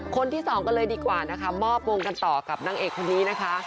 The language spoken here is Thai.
คนที่สองกันเลยดีกว่านะคะมอบวงกันต่อกับนางเอกคนนี้นะคะ